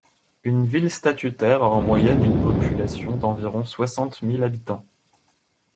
Une ville statutaire a en moyenne une population d'environ soixante mille habitants.